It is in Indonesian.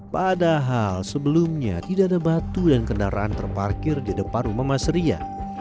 padahal sebelumnya tidak ada batu dan kendaraan terparkir di depan rumah mas ria